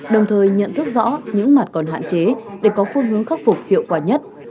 đồng thời nhận thức rõ những mặt còn hạn chế để có phương hướng khắc phục hiệu quả nhất